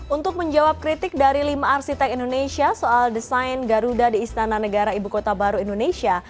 untuk menjawab kritik dari lima arsitek indonesia soal desain garuda di istana negara ibu kota baru indonesia